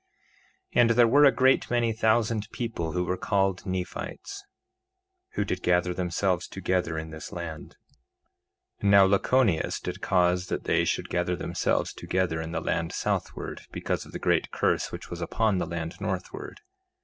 3:24 And there were a great many thousand people who were called Nephites, who did gather themselves together in this land. Now Lachoneus did cause that they should gather themselves together in the land southward, because of the great curse which was upon the land northward.